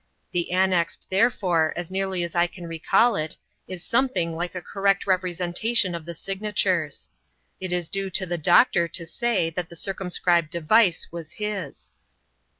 The annexed, therefore, as nearly as I can recall it, is something like a correct representation of the signatures. It is due to the doctor, to saj, that the circumscribed device was his.